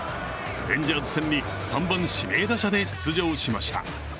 レンジャーズ戦に３番指名打者で出場しました。